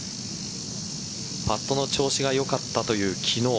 パットの調子がよかったという昨日。